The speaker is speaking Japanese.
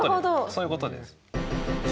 そういうことです。